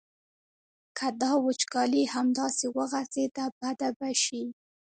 که دا وچکالي همداسې وغځېده بده به شي.